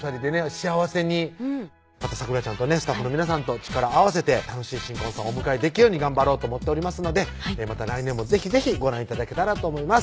幸せにまた咲楽ちゃんとねスタッフの皆さんと力を合わせて楽しい新婚さんをお迎えできるように頑張ろうと思っておりますのでまた来年も是非是非ご覧頂けたらと思います